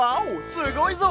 すごいぞ！